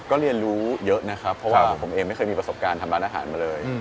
ก็เรียนรู้เยอะนะครับเพราะว่าผมเองไม่เคยมีประสบการณ์ทำร้านอาหารมาเลย